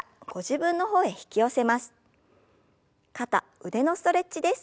肩腕のストレッチです。